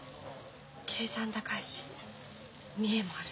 計算高いし見栄もあるし。